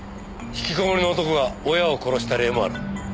引きこもりの男が親を殺した例もある。